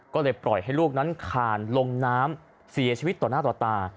ก็เลยปล่อยให้ลูกนั้นคานลงน้ำเสียชีวิตต่อหน้าต่อตา